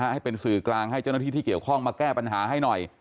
ให้เป็นสื่อกลางให้เจ้าหน้าที่ที่เกี่ยวข้องมาแก้ปัญหาให้หน่อย